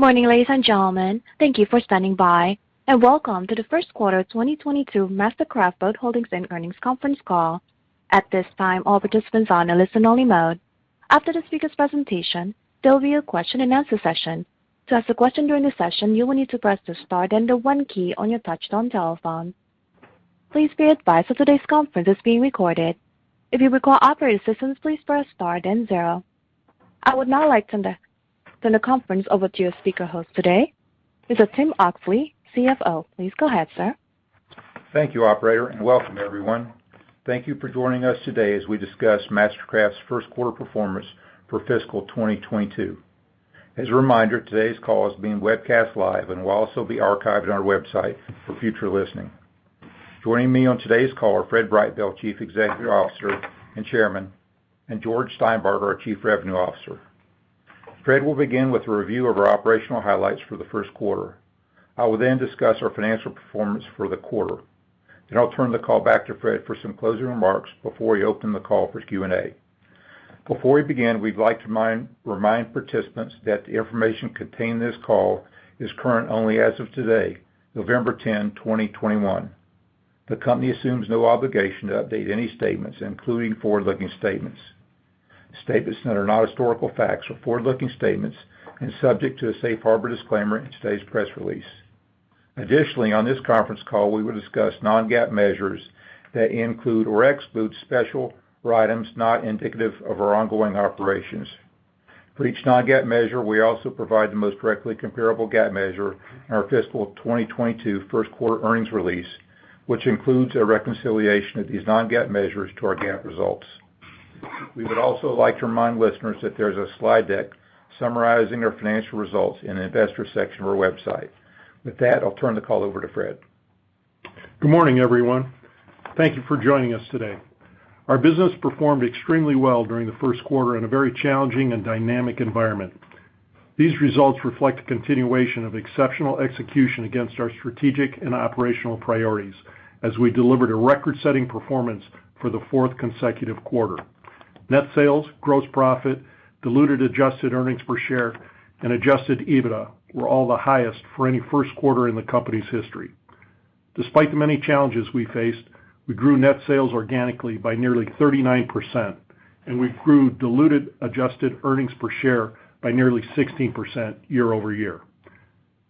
Good morning, ladies and gentlemen. Thank you for standing by, and welcome to the first quarter of 2022 MasterCraft Boat Holdings, Inc. earnings conference call. At this time, all participants are in a listen-only mode. After the speaker's presentation, there'll be a question-and-answer session. To ask a question during the session, you will need to press the star then the one key on your touchtone telephone. Please be advised that today's conference is being recorded. If you require operator assistance, please press star then zero. I would now like to hand the conference over to your speaker host today, Mr. Tim Oxley, CFO. Please go ahead, sir. Thank you, operator, and welcome everyone. Thank you for joining us today as we discuss MasterCraft's first quarter performance for fiscal 2022. As a reminder, today's call is being webcast live and will also be archived on our website for future listening. Joining me on today's call are Fred Brightbill, Chief Executive Officer and Chairman, and George Steinbarger, our Chief Revenue Officer. Fred will begin with a review of our operational highlights for the first quarter. I will then discuss our financial performance for the quarter. Then I'll turn the call back to Fred for some closing remarks before we open the call for Q&A. Before we begin, we'd like to remind participants that the information contained in this call is current only as of today, November 10, 2021. The company assumes no obligation to update any statements, including forward-looking statements. Statements that are not historical facts are forward-looking statements and are subject to a safe harbor disclaimer in today's press release. Additionally, on this conference call, we will discuss non-GAAP measures that include or exclude special items not indicative of our ongoing operations. For each non-GAAP measure, we also provide the most directly comparable GAAP measure in our fiscal 2022 first quarter earnings release, which includes a reconciliation of these non-GAAP measures to our GAAP results. We would also like to remind listeners that there's a slide deck summarizing our financial results in the investor section of our website. With that, I'll turn the call over to Fred. Good morning, everyone. Thank you for joining us today. Our business performed extremely well during the first quarter in a very challenging and dynamic environment. These results reflect a continuation of exceptional execution against our strategic and operational priorities as we delivered a record-setting performance for the fourth consecutive quarter. Net sales, gross profit, diluted adjusted earnings per share, and adjusted EBITDA were all the highest for any first quarter in the company's history. Despite the many challenges we faced, we grew net sales organically by nearly 39%, and we grew diluted adjusted earnings per share by nearly 16% year-over-year.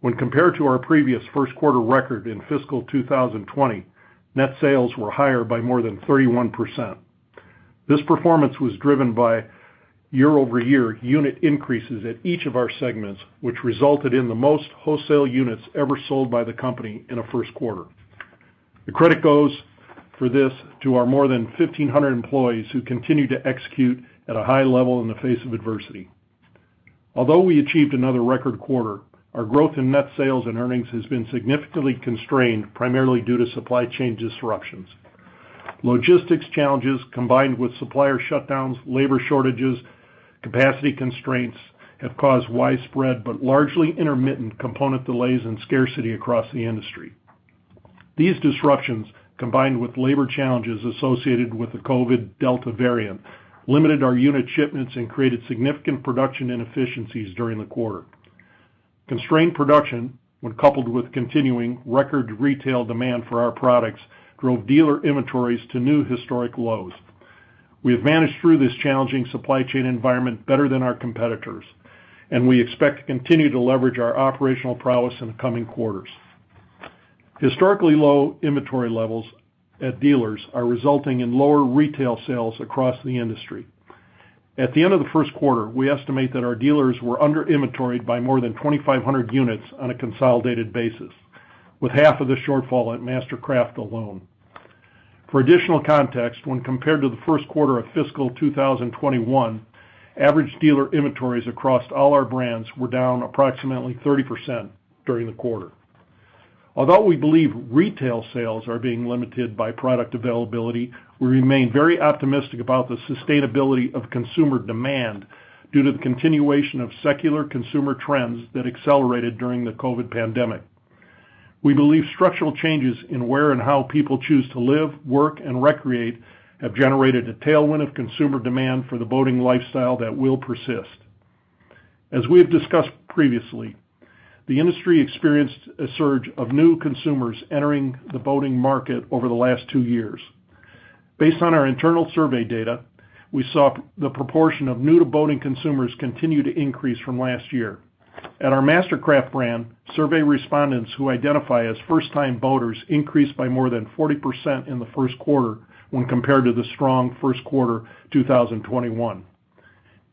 When compared to our previous first quarter record in fiscal 2020, net sales were higher by more than 31%. This performance was driven by year-over-year unit increases at each of our segments, which resulted in the most wholesale units ever sold by the company in a first quarter. The credit goes for this to our more than 1,500 employees who continue to execute at a high level in the face of adversity. Although we achieved another record quarter, our growth in net sales and earnings has been significantly constrained primarily due to supply chain disruptions. Logistics challenges combined with supplier shutdowns, labor shortages, capacity constraints have caused widespread but largely intermittent component delays and scarcity across the industry. These disruptions, combined with labor challenges associated with the COVID-19 Delta variant, limited our unit shipments and created significant production inefficiencies during the quarter. Constrained production, when coupled with continuing record retail demand for our products, drove dealer inventories to new historic lows. We have managed through this challenging supply chain environment better than our competitors, and we expect to continue to leverage our operational prowess in the coming quarters. Historically low inventory levels at dealers are resulting in lower retail sales across the industry. At the end of the first quarter, we estimate that our dealers were under inventoried by more than 2,500 units on a consolidated basis, with half of the shortfall at MasterCraft alone. For additional context, when compared to the first quarter of fiscal 2021, average dealer inventories across all our brands were down approximately 30% during the quarter. Although we believe retail sales are being limited by product availability, we remain very optimistic about the sustainability of consumer demand due to the continuation of secular consumer trends that accelerated during the COVID pandemic. We believe structural changes in where and how people choose to live, work, and recreate have generated a tailwind of consumer demand for the boating lifestyle that will persist. As we have discussed previously, the industry experienced a surge of new consumers entering the boating market over the last two years. Based on our internal survey data, we saw the proportion of new-to-boating consumers continue to increase from last year. At our MasterCraft brand, survey respondents who identify as first-time boaters increased by more than 40% in the first quarter when compared to the strong first quarter 2021.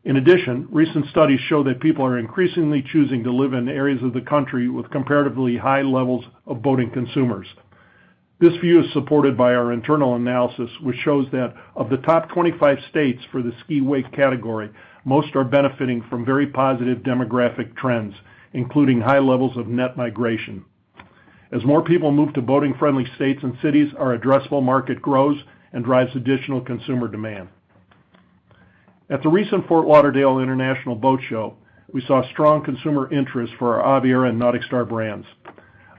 In addition, recent studies show that people are increasingly choosing to live in areas of the country with comparatively high levels of boating consumers. This view is supported by our internal analysis, which shows that of the top 25 states for the ski/wake category, most are benefiting from very positive demographic trends, including high levels of net migration. As more people move to boating-friendly states and cities, our addressable market grows and drives additional consumer demand. At the recent Fort Lauderdale International Boat Show, we saw strong consumer interest for our Aviara and NauticStar brands.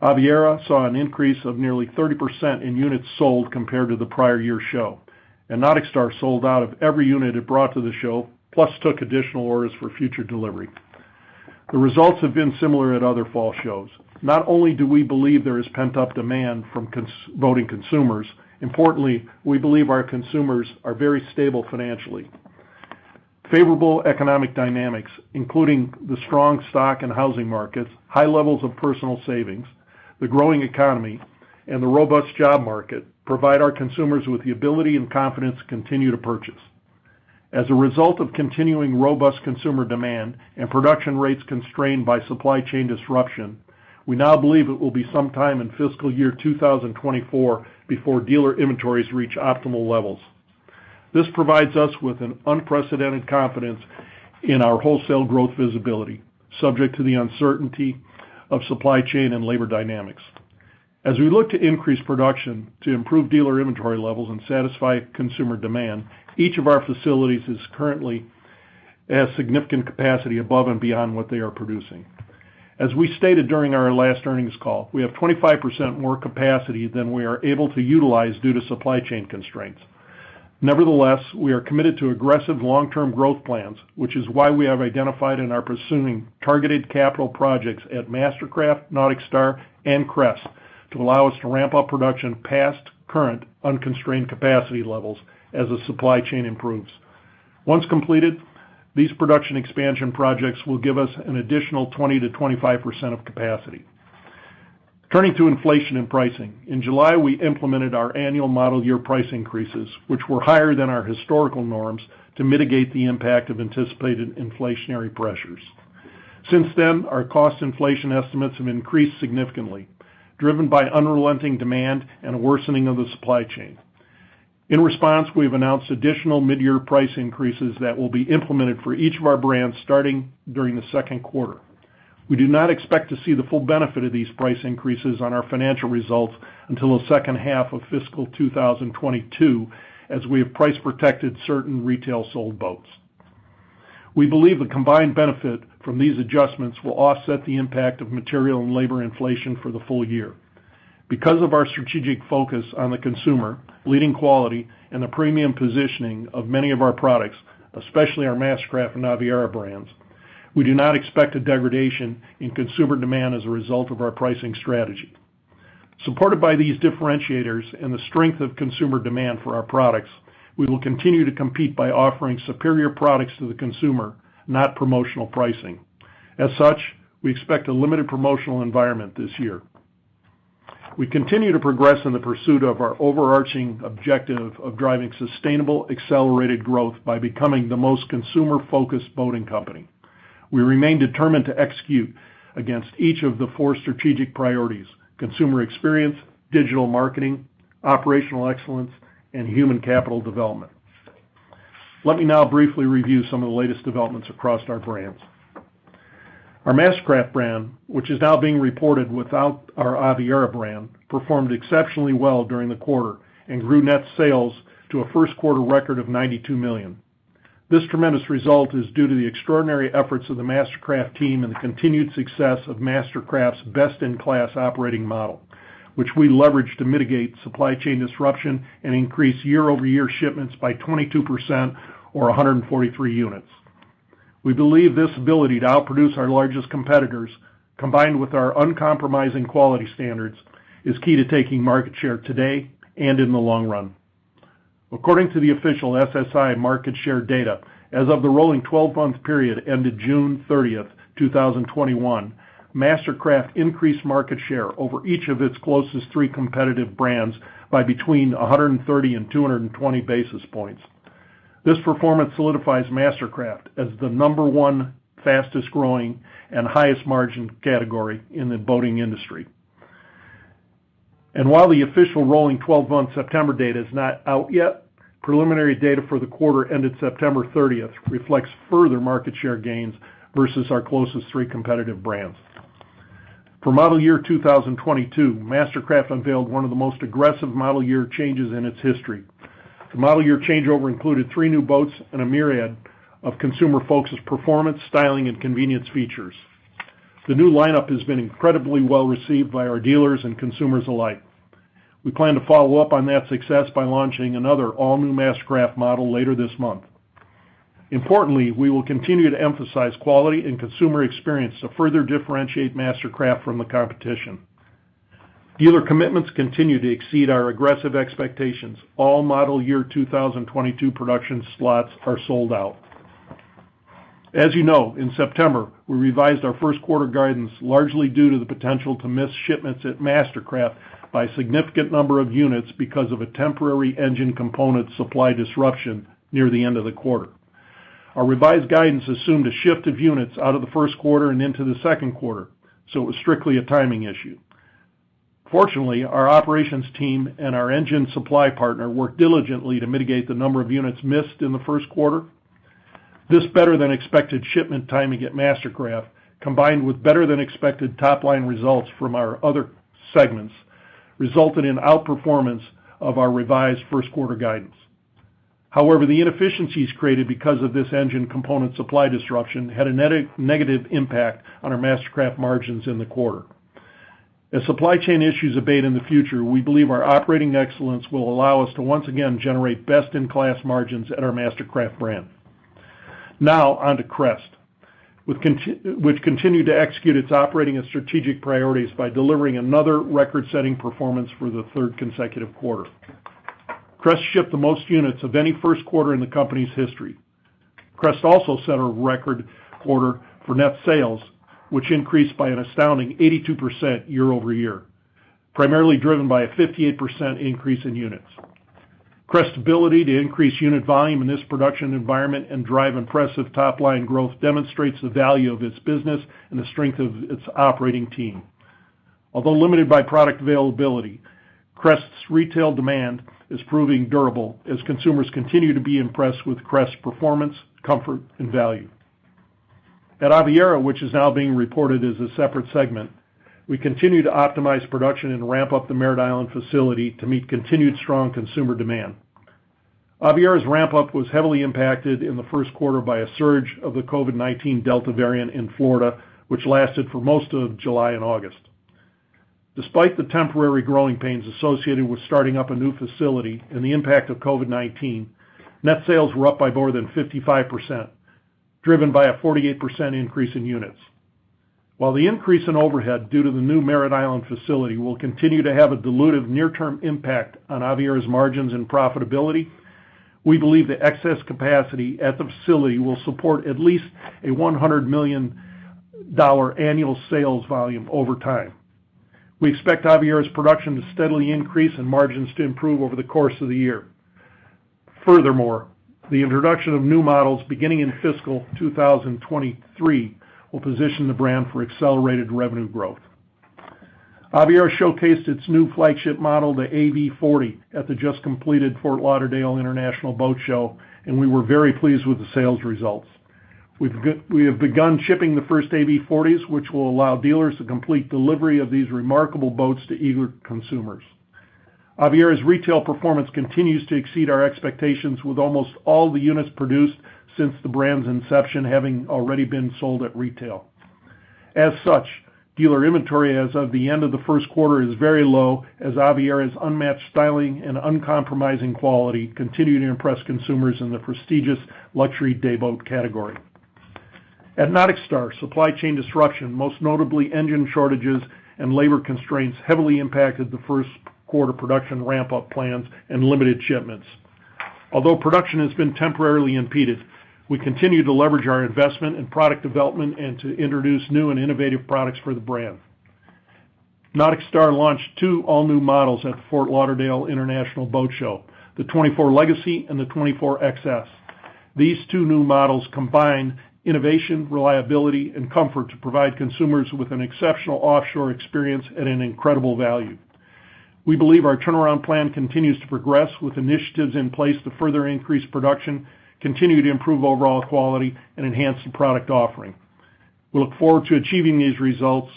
Aviara saw an increase of nearly 30% in units sold compared to the prior year show, and NauticStar sold out of every unit it brought to the show, plus took additional orders for future delivery. The results have been similar at other fall shows. Not only do we believe there is pent-up demand from boating consumers, importantly, we believe our consumers are very stable financially. Favorable economic dynamics, including the strong stock and housing markets, high levels of personal savings, the growing economy, and the robust job market provide our consumers with the ability and confidence to continue to purchase. As a result of continuing robust consumer demand and production rates constrained by supply chain disruption, we now believe it will be sometime in fiscal year 2024 before dealer inventories reach optimal levels. This provides us with an unprecedented confidence in our wholesale growth visibility, subject to the uncertainty of supply chain and labor dynamics. As we look to increase production to improve dealer inventory levels and satisfy consumer demand, each of our facilities is currently at significant capacity above and beyond what they are producing. As we stated during our last earnings call, we have 25% more capacity than we are able to utilize due to supply chain constraints. Nevertheless, we are committed to aggressive long-term growth plans, which is why we have identified and are pursuing targeted capital projects at MasterCraft, NauticStar, and Crest to allow us to ramp up production past current unconstrained capacity levels as the supply chain improves. Once completed, these production expansion projects will give us an additional 20%-25% of capacity. Turning to inflation and pricing. In July, we implemented our annual model year price increases, which were higher than our historical norms, to mitigate the impact of anticipated inflationary pressures. Since then, our cost inflation estimates have increased significantly, driven by unrelenting demand and a worsening of the supply chain. In response, we have announced additional midyear price increases that will be implemented for each of our brands starting during the second quarter. We do not expect to see the full benefit of these price increases on our financial results until the second half of fiscal 2022, as we have price protected certain retail sold boats. We believe the combined benefit from these adjustments will offset the impact of material and labor inflation for the full-year. Because of our strategic focus on the consumer, leading quality, and the premium positioning of many of our products, especially our MasterCraft and Aviara brands, we do not expect a degradation in consumer demand as a result of our pricing strategy. Supported by these differentiators and the strength of consumer demand for our products, we will continue to compete by offering superior products to the consumer, not promotional pricing. As such, we expect a limited promotional environment this year. We continue to progress in the pursuit of our overarching objective of driving sustainable, accelerated growth by becoming the most consumer-focused boating company. We remain determined to execute against each of the four strategic priorities. Consumer experience, digital marketing, operational excellence, and human capital development. Let me now briefly review some of the latest developments across our brands. Our MasterCraft brand, which is now being reported without our Aviara brand, performed exceptionally well during the quarter and grew net sales to a first quarter record of $92 million. This tremendous result is due to the extraordinary efforts of the MasterCraft team and the continued success of MasterCraft's best-in-class operating model, which we leveraged to mitigate supply chain disruption and increase year-over-year shipments by 22% or 143 units. We believe this ability to outproduce our largest competitors, combined with our uncompromising quality standards, is key to taking market share today and in the long run. According to the official SSI market share data, as of the rolling 12-month period ended June 30th, 2021, MasterCraft increased market share over each of its closest three competitive brands by between 130-220 basis points. This performance solidifies MasterCraft as the number one fastest growing and highest margin category in the boating industry. While the official rolling 12-month September date is not out yet, preliminary data for the quarter ended September 30th, reflects further market share gains versus our closest three competitive brands. For model year 2022, MasterCraft unveiled one of the most aggressive model year changes in its history. The model year changeover included three new boats and a myriad of consumer-focused performance, styling, and convenience features. The new lineup has been incredibly well-received by our dealers and consumers alike. We plan to follow up on that success by launching another all-new MasterCraft model later this month. Importantly, we will continue to emphasize quality and consumer experience to further differentiate MasterCraft from the competition. Dealer commitments continue to exceed our aggressive expectations. All model year 2022 production slots are sold out. As you know, in September, we revised our first quarter guidance largely due to the potential to miss shipments at MasterCraft by a significant number of units because of a temporary engine component supply disruption near the end of the quarter. Our revised guidance assumed a shift of units out of the first quarter and into the second quarter, so it was strictly a timing issue. Fortunately, our operations team and our engine supply partner worked diligently to mitigate the number of units missed in the first quarter. This better than expected shipment timing at MasterCraft, combined with better than expected top-line results from our other segments, resulted in outperformance of our revised first quarter guidance. However, the inefficiencies created because of this engine component supply disruption had a negative impact on our MasterCraft margins in the quarter. As supply chain issues abate in the future, we believe our operating excellence will allow us to once again generate best-in-class margins at our MasterCraft brand. Now on to Crest, which continued to execute its operating and strategic priorities by delivering another record-setting performance for the third consecutive quarter. Crest shipped the most units of any first quarter in the company's history. Crest also set a record quarter for net sales, which increased by an astounding 82% year-over-year, primarily driven by a 58% increase in units. Crest's ability to increase unit volume in this production environment and drive impressive top-line growth demonstrates the value of its business and the strength of its operating team. Although limited by product availability, Crest's retail demand is proving durable as consumers continue to be impressed with Crest's performance, comfort, and value. At Aviara, which is now being reported as a separate segment, we continue to optimize production and ramp up the Merritt Island facility to meet continued strong consumer demand. Aviara's ramp-up was heavily impacted in the first quarter by a surge of the COVID-19 Delta variant in Florida, which lasted for most of July and August. Despite the temporary growing pains associated with starting up a new facility and the impact of COVID-19, net sales were up by more than 55%, driven by a 48% increase in units. While the increase in overhead due to the new Merritt Island facility will continue to have a dilutive near-term impact on Aviara's margins and profitability, we believe the excess capacity at the facility will support at least a $100 million annual sales volume over time. We expect Aviara's production to steadily increase and margins to improve over the course of the year. Furthermore, the introduction of new models beginning in fiscal 2023 will position the brand for accelerated revenue growth. Aviara showcased its new flagship model, the AV40, at the just-completed Fort Lauderdale International Boat Show, and we were very pleased with the sales results. We have begun shipping the first AV40s, which will allow dealers to complete delivery of these remarkable boats to eager consumers. Aviara's retail performance continues to exceed our expectations, with almost all the units produced since the brand's inception having already been sold at retail. As such, dealer inventory as of the end of the first quarter is very low as Aviara's unmatched styling and uncompromising quality continue to impress consumers in the prestigious luxury day boat category. At NauticStar, supply chain disruption, most notably engine shortages and labor constraints, heavily impacted the first-quarter production ramp-up plans and limited shipments. Although production has been temporarily impeded, we continue to leverage our investment in product development and to introduce new and innovative products for the brand. NauticStar launched two all-new models at the Fort Lauderdale International Boat Show, the 24 Legacy and the 24 XS. These two new models combine innovation, reliability, and comfort to provide consumers with an exceptional offshore experience at an incredible value. We believe our turnaround plan continues to progress with initiatives in place to further increase production, continue to improve overall quality, and enhance the product offering. We look forward to achieving these results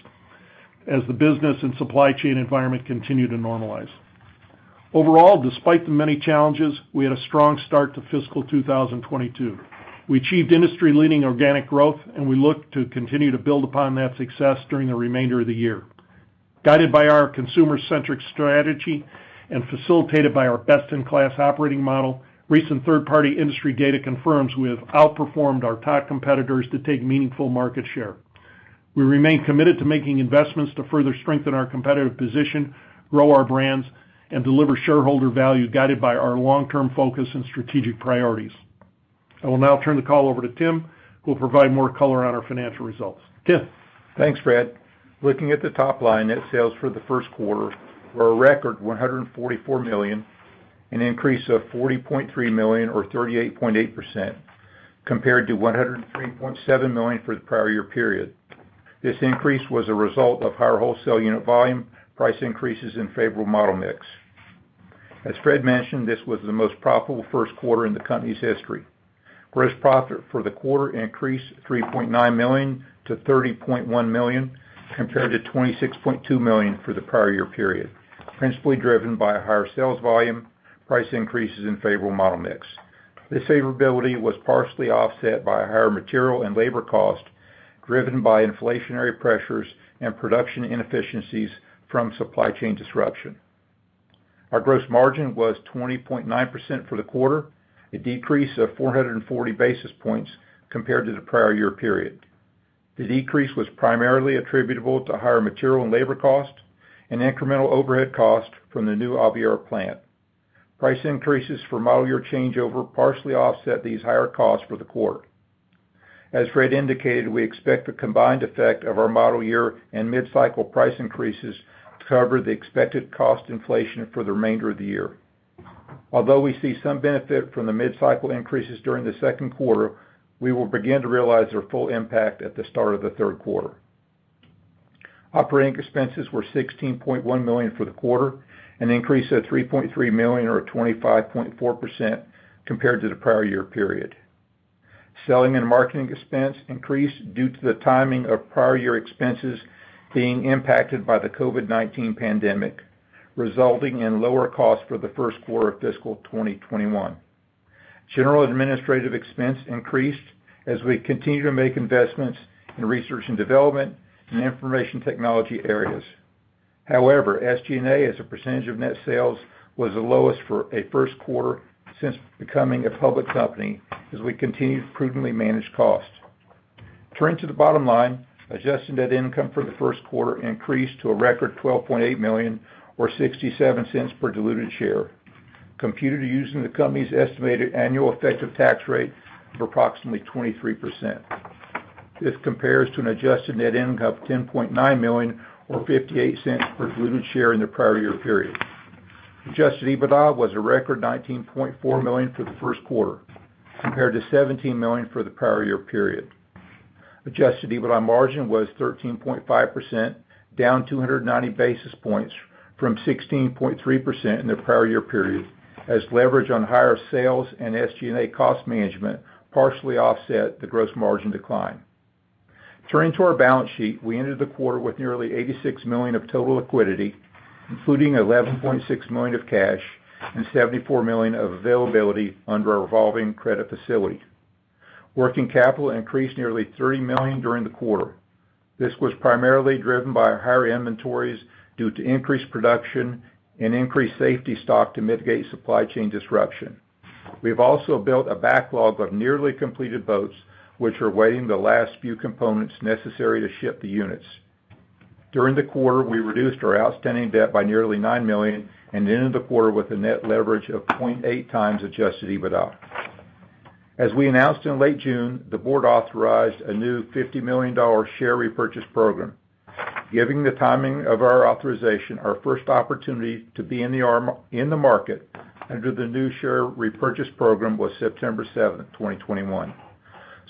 as the business and supply chain environment continue to normalize. Overall, despite the many challenges, we had a strong start to fiscal 2022. We achieved industry-leading organic growth, and we look to continue to build upon that success during the remainder of the year. Guided by our consumer-centric strategy and facilitated by our best-in-class operating model, recent third-party industry data confirms we have outperformed our top competitors to take meaningful market share. We remain committed to making investments to further strengthen our competitive position, grow our brands, and deliver shareholder value guided by our long-term focus and strategic priorities. I will now turn the call over to Tim, who will provide more color on our financial results. Tim? Thanks, Fred. Looking at the top line, net sales for the first quarter were a record $144 million, an increase of $40.3 million or 38.8% compared to $103.7 million for the prior year period. This increase was a result of higher wholesale unit volume, price increases and favorable model mix. As Fred mentioned, this was the most profitable first quarter in the company's history. Gross profit for the quarter increased $3.9 million to $30.1 million compared to $26.2 million for the prior year period, principally driven by higher sales volume, price increases and favorable model mix. This favorability was partially offset by higher material and labor cost, driven by inflationary pressures and production inefficiencies from supply chain disruption. Our gross margin was 20.9% for the quarter, a decrease of 440 basis points compared to the prior year period. The decrease was primarily attributable to higher material and labor cost and incremental overhead cost from the new Aviara plant. Price increases for model year changeover partially offset these higher costs for the quarter. As Fred indicated, we expect the combined effect of our model year and mid-cycle price increases to cover the expected cost inflation for the remainder of the year. Although we see some benefit from the mid-cycle increases during the second quarter, we will begin to realize their full impact at the start of the third quarter. Operating expenses were $16.1 million for the quarter, an increase of $3.3 million or 25.4% compared to the prior year period. Selling and marketing expense increased due to the timing of prior year expenses being impacted by the COVID-19 pandemic, resulting in lower costs for the first quarter of fiscal 2021. General administrative expense increased as we continue to make investments in research and development and information technology areas. However, SG&A as a percentage of net sales was the lowest for a first quarter since becoming a public company as we continue to prudently manage costs. Turning to the bottom line, adjusted net income for the first quarter increased to a record $12.8 million or $0.67 per diluted share, computed using the company's estimated annual effective tax rate of approximately 23%. This compares to an adjusted net income of $10.9 million or $0.58 per diluted share in the prior year period. Adjusted EBITDA was a record $19.4 million for the first quarter compared to $17 million for the prior year period. Adjusted EBITDA margin was 13.5%, down 290 basis points from 16.3% in the prior year period, as leverage on higher sales and SG&A cost management partially offset the gross margin decline. Turning to our balance sheet, we ended the quarter with nearly $86 million of total liquidity, including $11.6 million of cash, and $74 million of availability under our revolving credit facility. Working capital increased nearly $30 million during the quarter. This was primarily driven by higher inventories due to increased production and increased safety stock to mitigate supply chain disruption. We have also built a backlog of nearly completed boats which are waiting the last few components necessary to ship the units. During the quarter, we reduced our outstanding debt by nearly $9 million and ended the quarter with a net leverage of 0.8 times adjusted EBITDA. As we announced in late June, the board authorized a new $50 million share repurchase program. Given the timing of our authorization, our first opportunity to be in the market under the new share repurchase program was September 7, 2021.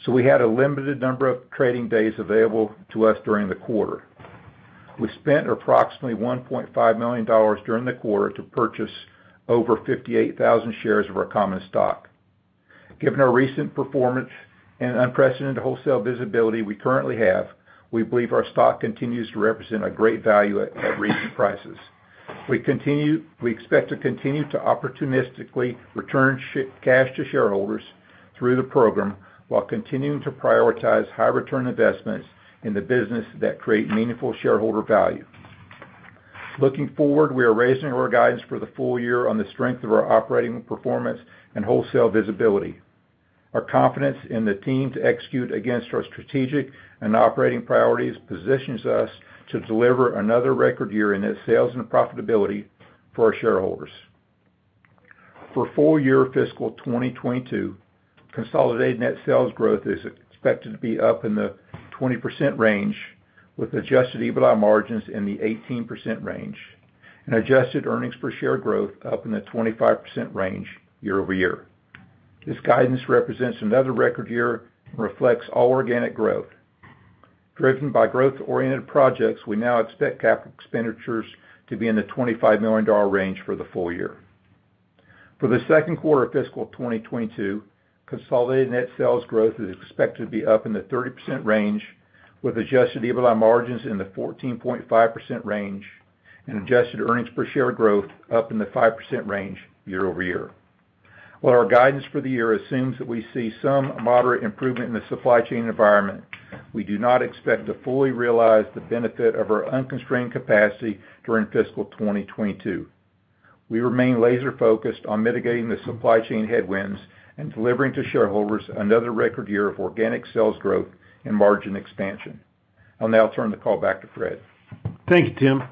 We had a limited number of trading days available to us during the quarter. We spent approximately $1.5 million during the quarter to purchase over 58,000 shares of our common stock. Given our recent performance and unprecedented wholesale visibility we currently have, we believe our stock continues to represent a great value at recent prices. We expect to continue to opportunistically return cash to shareholders through the program while continuing to prioritize high-return investments in the business that create meaningful shareholder value. Looking forward, we are raising our guidance for the full year on the strength of our operating performance and wholesale visibility. Our confidence in the team to execute against our strategic and operating priorities positions us to deliver another record year in net sales and profitability for our shareholders. For full-year fiscal 2022, consolidated net sales growth is expected to be up in the 20% range, with adjusted EBITDA margins in the 18% range, and adjusted earnings per share growth up in the 25% range year-over-year. This guidance represents another record year and reflects all organic growth. Driven by growth-oriented projects, we now expect capital expenditures to be in the $25 million range for the full year. For the second quarter of fiscal 2022, consolidated net sales growth is expected to be up in the 30% range, with adjusted EBITDA margins in the 14.5% range, and adjusted earnings per share growth up in the 5% range year-over-year. While our guidance for the year assumes that we see some moderate improvement in the supply chain environment, we do not expect to fully realize the benefit of our unconstrained capacity during fiscal 2022. We remain laser-focused on mitigating the supply chain headwinds and delivering to shareholders another record year of organic sales growth and margin expansion. I'll now turn the call back to Fred. Thank you, Tim.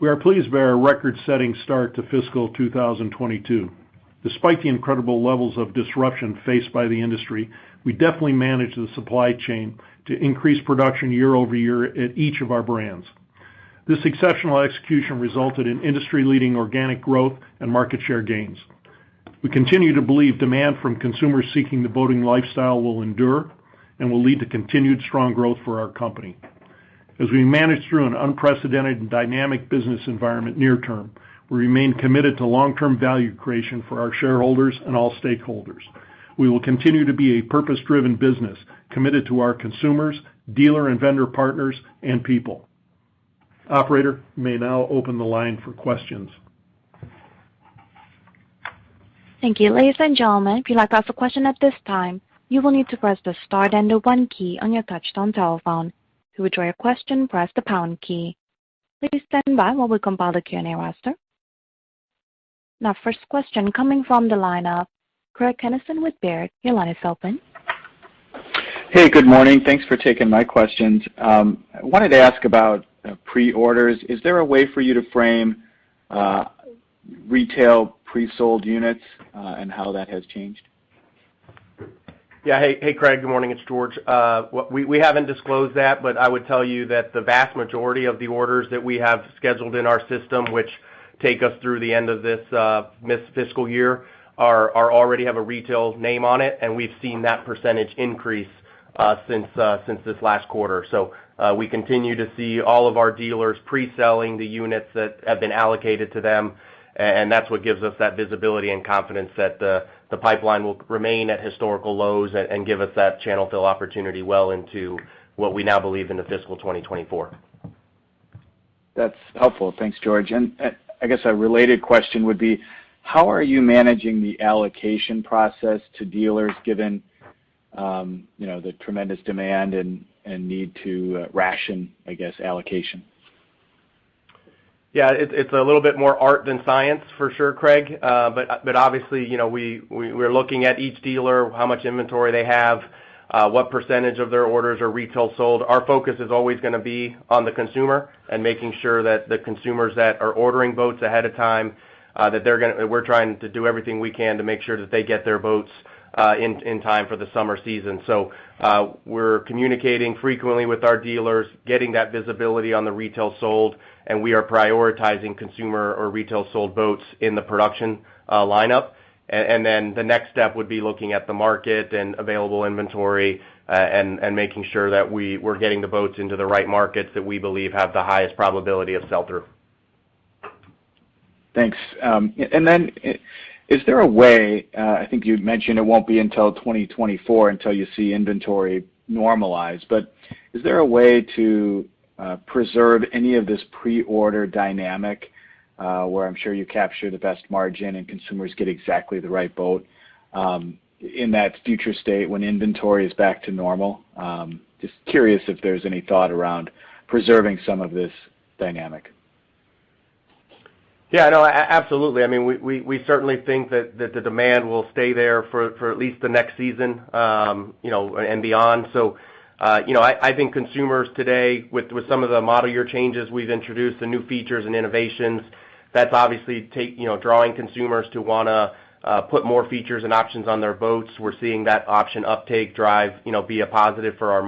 We are pleased by our record-setting start to fiscal 2022. Despite the incredible levels of disruption faced by the industry, we definitely managed the supply chain to increase production year-over-year at each of our brands. This exceptional execution resulted in industry-leading organic growth and market share gains. We continue to believe demand from consumers seeking the boating lifestyle will endure and will lead to continued strong growth for our company. As we manage through an unprecedented and dynamic business environment near term, we remain committed to long-term value creation for our shareholders and all stakeholders. We will continue to be a purpose-driven business committed to our consumers, dealer and vendor partners, and people. Operator, you may now open the line for questions. Thank you. Ladies and gentlemen, if you would like to ask a question at this time, you will need to press the star, then the one key on your touchtone telephone. To withdraw your question, press the pound key. Please stand by while we combine the Q&A roster. Now first question coming from the line of Craig Kennison with Baird. Your line is open. Hey, good morning. Thanks for taking my questions. I wanted to ask about pre-orders. Is there a way for you to frame retail pre-sold units and how that has changed? Yeah. Hey, Craig, good morning. It's George. We haven't disclosed that, but I would tell you that the vast majority of the orders that we have scheduled in our system, which take us through the end of this fiscal year, already have a retail name on it, and we've seen that percentage increase since this last quarter, we continue to see all of our dealers pre-selling the units that have been allocated to them. That's what gives us that visibility and confidence that the pipeline will remain at historical lows and give us that channel fill opportunity well into what we now believe is the fiscal 2024. That's helpful. Thanks, George. I guess a related question would be, how are you managing the allocation process to dealers given, you know, the tremendous demand and need to ration, I guess, allocation? Yeah. It's a little bit more art than science for sure, Craig. But obviously, you know, we're looking at each dealer, how much inventory they have, what percentage of their orders are retail sold. Our focus is always gonna be on the consumer and making sure that the consumers that are ordering boats ahead of time. We're trying to do everything we can to make sure that they get their boats in time for the summer season. We're communicating frequently with our dealers, getting that visibility on the retail sold, and we are prioritizing consumer or retail sold boats in the production lineup. Then the next step would be looking at the market and available inventory, and making sure that we're getting the boats into the right markets that we believe have the highest probability of sell-through. Thanks. Is there a way, I think you'd mentioned it won't be until 2024 until you see inventory normalized, but is there a way to preserve any of this pre-order dynamic, where I'm sure you capture the best margin, and consumers get exactly the right boat, in that future state when inventory is back to normal? Just curious if there's any thought around preserving some of this dynamic. Yeah. No. Absolutely. I mean, we certainly think that the demand will stay there for at least the next season, you know, and beyond. You know, I think consumers today, with some of the model year changes we've introduced, the new features and innovations, that's obviously, you know, drawing consumers to wanna put more features and options on their boats. We're seeing that option uptake drive, you know, be a positive for our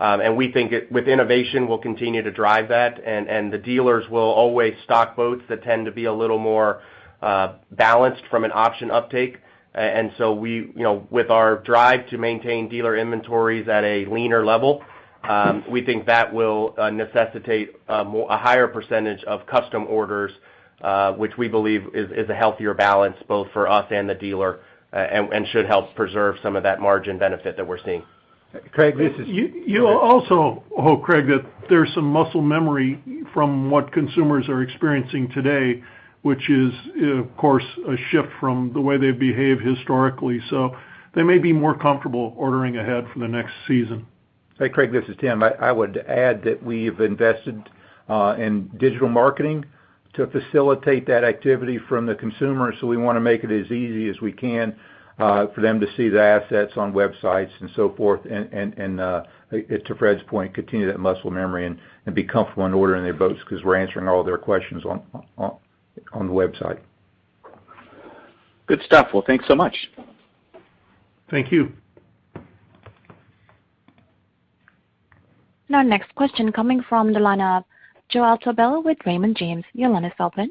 margin. We think with innovation, we'll continue to drive that, and the dealers will always stock boats that tend to be a little more balanced from an option uptake. We, you know, with our drive to maintain dealer inventories at a leaner level, we think that will necessitate a higher percentage of custom orders, which we believe is a healthier balance both for us and the dealer, and should help preserve some of that margin benefit that we're seeing. Craig, this is. You also hope, Craig, that there's some muscle memory from what consumers are experiencing today, which is, of course, a shift from the way they've behaved historically. They may be more comfortable ordering ahead for the next season. Hey, Craig, this is Tim. I would add that we've invested in digital marketing to facilitate that activity from the consumer. We wanna make it as easy as we can for them to see the assets on websites and so forth, and to Fred's point, continue that muscle memory and be comfortable in ordering their boats 'cause we're answering all their questions on the website. Good stuff. Well, thanks so much. Thank you. Now next question coming from the line of Joe Altobello with Raymond James. Your line is open.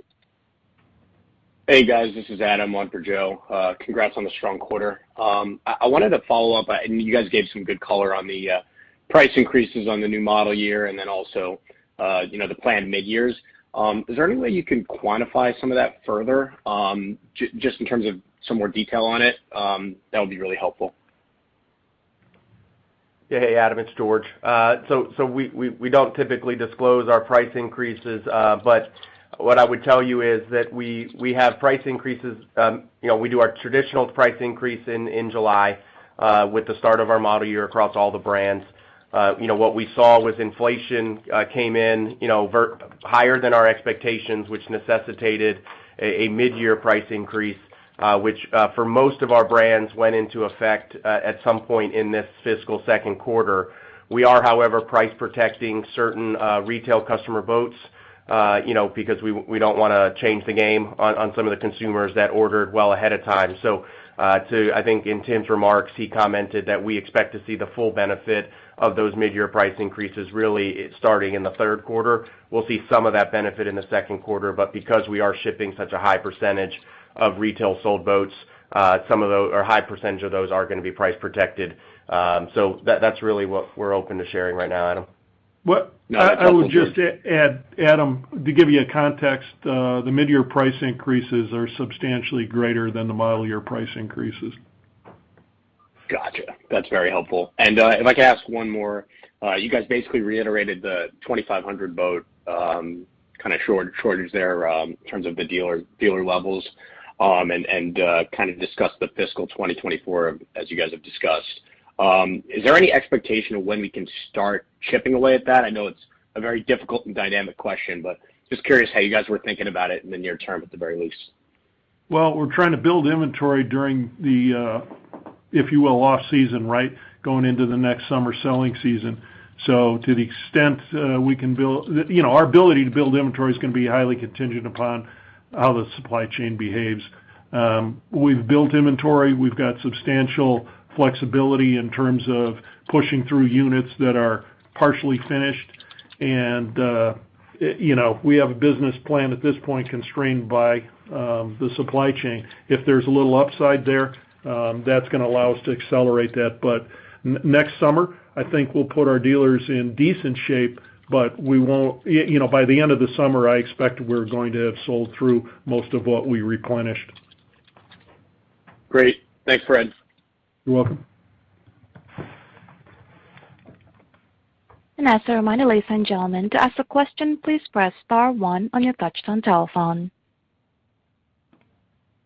Hey, guys. This is Adam on for Joe. Congrats on the strong quarter. I wanted to follow up. You guys gave some good color on the price increases on the new model year and then also, you know, the planned midyears. Is there any way you can quantify some of that further, just in terms of some more detail on it? That would be really helpful. Yeah. Hey, Adam. It's George. We don't typically disclose our price increases, but what I would tell you is that we have price increases. You know, we do our traditional price increase in July with the start of our model year across all the brands. You know, what we saw was inflation came in higher than our expectations, which necessitated a midyear price increase, which for most of our brands went into effect at some point in this fiscal second quarter. We are, however, price protecting certain retail customer boats. You know, because we don't wanna change the game on some of the consumers that ordered well ahead of time. I think in Tim's remarks, he commented that we expect to see the full benefit of those midyear price increases really starting in the third quarter. We'll see some of that benefit in the second quarter, but because we are shipping such a high percentage of retail sold boats, high percentage of those are gonna be price protected. That's really what we're open to sharing right now, Adam. I would just add, Adam, to give you a context, the midyear price increases are substantially greater than the model year price increases. Gotcha. That's very helpful. If I could ask one more. You guys basically reiterated the 2,500 boat kind of shortage there in terms of the dealer levels and kind of discussed the fiscal 2024, as you guys have discussed. Is there any expectation of when we can start chipping away at that? I know it's a very difficult and dynamic question, but just curious how you guys were thinking about it in the near term at the very least. Well, we're trying to build inventory during the, if you will, off-season, right, going into the next summer selling season. To the extent we can build, you know, our ability to build inventory is gonna be highly contingent upon how the supply chain behaves. We've built inventory. We've got substantial flexibility in terms of pushing through units that are partially finished. And, you know, we have a business plan at this point constrained by the supply chain. If there's a little upside there, that's gonna allow us to accelerate that. But next summer, I think we'll put our dealers in decent shape, but we won't, you know, by the end of the summer, I expect we're going to have sold through most of what we replenished. Great. Thanks, Fred. You're welcome. And as a reminder, ladies and gentlemen, to ask a question, please press star one on your touchtone telephone.